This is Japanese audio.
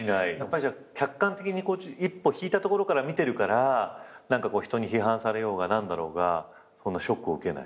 客観的に一歩引いたところから見てるから人に批判されようが何だろうがショックを受けない？